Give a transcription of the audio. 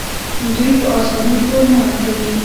دوی په اسانۍ پور نه ورکوي.